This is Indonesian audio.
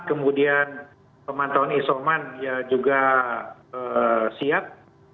kemudian pemantauan isoman juga siap